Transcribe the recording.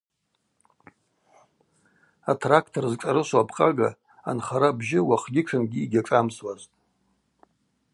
Атрактор зшӏарышву абкъага анхара бжьы уахъгьи тшынгьи йгьашӏамсуазтӏ.